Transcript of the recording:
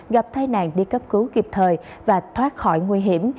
gặp tai nạn đi cấp cứu kịp thời và thoát khỏi nguy hiểm